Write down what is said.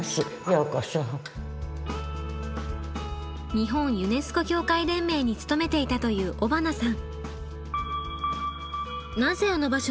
日本ユネスコ協会連盟に勤めていたという尾花さん。